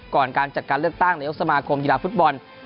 การจัดการเลือกตั้งนายกสมาคมกีฬาฟุตบอล